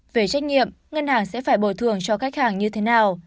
về trách nhiệm ngân hàng sẽ phải bồi thường cho khách hàng như thế nào